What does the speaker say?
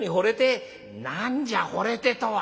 「何じゃほれてとは！」。